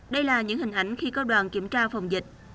đây là những hình ảnh khi có đoàn kiểm tra phòng dịch